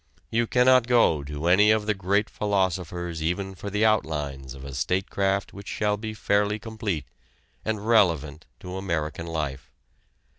You cannot go to any of the great philosophers even for the outlines of a statecraft which shall be fairly complete, and relevant to American life.